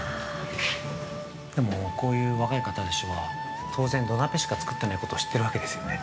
◆こういう若い方たちは当然、土鍋しか作ってないことを知ってるわけですよね。